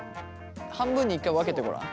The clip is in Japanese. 半分に１回分けてごらん。